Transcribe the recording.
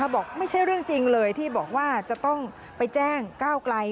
บอกไม่ใช่เรื่องจริงเลยที่บอกว่าจะต้องไปแจ้งก้าวไกล